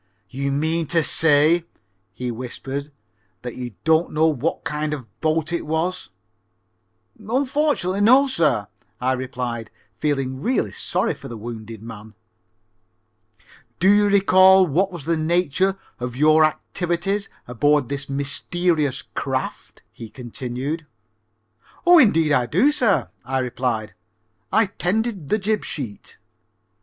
"You mean to say," he whispered, "that you don't know what kind of a boat it was?" "Unfortunately no, sir," I replied, feeling really sorry for the wounded man. "Do you recall what was the nature of your activities aboard this mysterious craft?" he continued. "Oh, indeed I do, sir," I replied. "I tended the jib sheet."